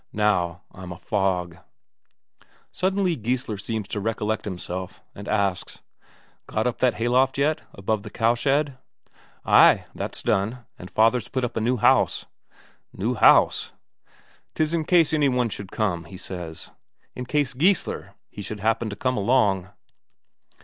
Now I'm a fog." Suddenly Geissler seems to recollect himself, and asks: "Got up that hayloft yet, above the cowshed?" "Ay, that's done. And father's put up a new house." "New house?" "'Tis in case any one should come, he says in case Geissler he should happen to come along."